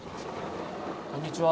こんにちは。